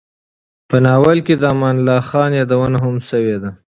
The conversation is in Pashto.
په ناول کې د امان الله خان یادونه هم شوې ده.